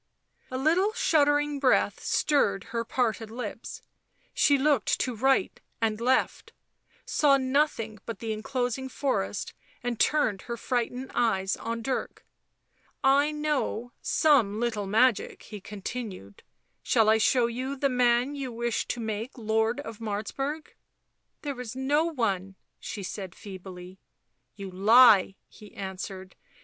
A little shuddering breath stirred her parted lips ; she looked to right and left, saw nothing but the enclosing forest, and turned her frightened eyes on Dirk. " I know some little magic," he continued. " Shall I show you the man you wish to make Lord of Martz burg ?"" There is no one," she said feebly. " You lie," he answered.